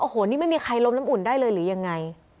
โอ้โหนี่ไม่มีใครล้มน้ำอุ่นได้เลยหรือยังไง